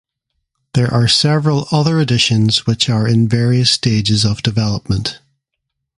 there are several other editions which are in various stages of development.